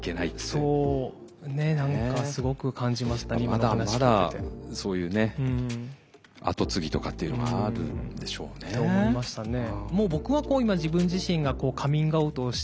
まだまだそういうね跡継ぎとかっていうのがあるんでしょうね。と思いましたね。